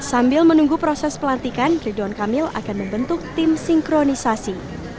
sambil menunggu proses pelantikan ridwan kamil akan membentuk tim sinkronisasi